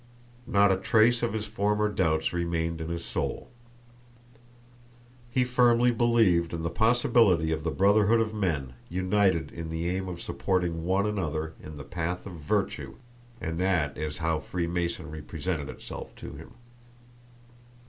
Not a trace of his former doubts remained in his soul. He firmly believed in the possibility of the brotherhood of men united in the aim of supporting one another in the path of virtue, and that is how Freemasonry presented itself to him.